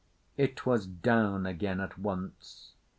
It was down again at once.